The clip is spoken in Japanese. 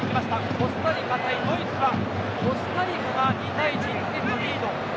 コスタリカ対ドイツはコスタリカが２対１と１点のリード。